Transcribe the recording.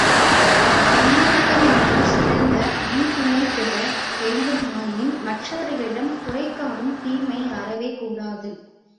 தன்னடக்கம் என்ற சிறந்த பண்பினைப்பெற வேண்டுமாயின் மற்றவர்களிடம் குறை காணும் தீமை அறவே கூடாது.